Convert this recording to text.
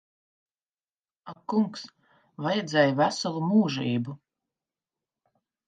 Ak kungs. Vajadzēja veselu mūžību.